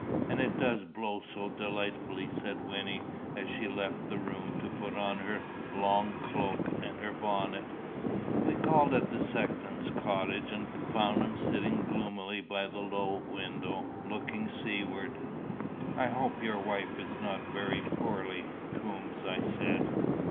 "And it does blow so delightfully!" said Wynnie, as she left the room to put on her long cloak and her bonnet. We called at the sexton's cottage, and found him sitting gloomily by the low window, looking seaward. "I hope your wife is not very poorly, Coombes," I said.